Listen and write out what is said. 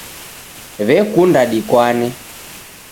W'ekunda dikwane